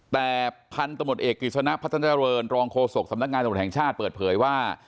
แต่พันธุ์ตำรวจเอกกริจสนับพัฒนธรรณรองโฆษกษ์สำนักงานตำรวจแห่งชาติเปิดเผยว่า